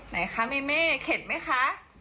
ไหนคะเม่เข็ดไหมคะ